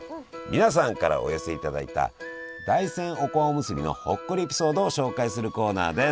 皆さんからお寄せいただいた大山おこわおむすびのほっこりエピソードを紹介するコーナーです！